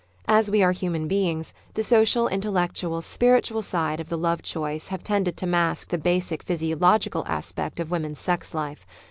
As we are human beings, the social, intellectual, spiritual side of the love choice have tended to mask the basic physiological aspect of women's sex life.